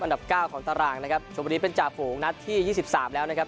อันดับเก้าของตารางนะครับชนบุรีเป็นจ่าฝูงนัดที่ยี่สิบสามแล้วนะครับ